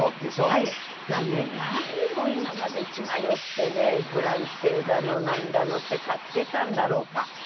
だからね何を今まで血迷ってねフランス製だのなんだのって買ってたんだろうか。